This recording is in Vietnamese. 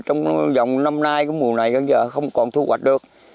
trong dòng năm nay của mùa này gần giờ không còn thu hoạch được